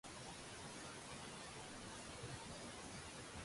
你想要煲藥定藥粉呀